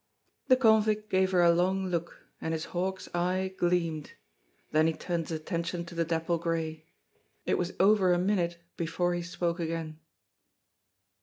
The convict gave her a long look, and his hawk's eye gleamed; then he turned his attention to the dapple grey. It was over a minute before he spoke again.